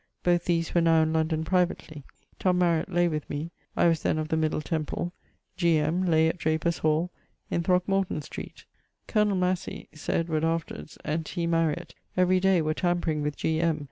Both these were now in London privately. Tom Mariett laye with me (I was then of the Middle Temple); G. M. lay at Draper's hall in Throckmorton street. Col. Massey (Sir Edward afterwards), and T. Mariett every day were tampering with G. M.